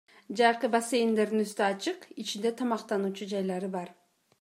Жайкы бассейндердин үстү ачык, ичинде тамактануучу жайлары бар.